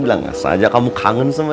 bilang alasan saja kamu kangen sama dia kan